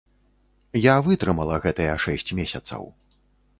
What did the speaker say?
Я вытрымала гэтыя шэсць месяцаў.